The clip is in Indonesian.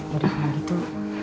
kalau udah kayak gitu